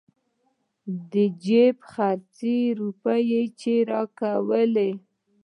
د جيب خرڅ روپۍ چې يې راکولې.